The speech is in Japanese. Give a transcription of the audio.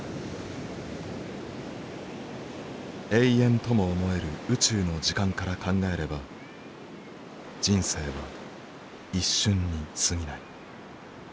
永遠とも思える宇宙の時間から考えれば人生は一瞬にすぎない。